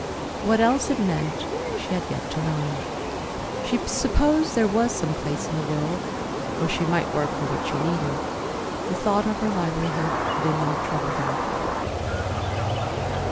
What else it meant, she had yet to learn. She supposed there was some place in the world where she might work for what she needed. The thought of her livelihood did not trouble her.